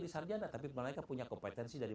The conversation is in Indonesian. jadi sarjana tapi mereka punya kompetensi dari